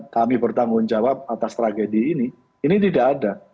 kami bertanggung jawab atas tragedi ini ini tidak ada